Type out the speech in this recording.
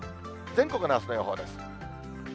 全国のあすの予報です。